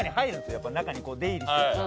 やっぱ中に出入りしてるから。